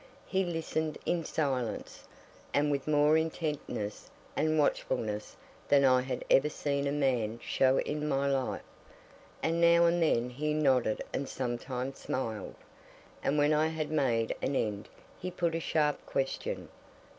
He listened in silence, and with more intentness and watchfulness than I had ever seen a man show in my life, and now and then he nodded and sometimes smiled; and when I had made an end he put a sharp question.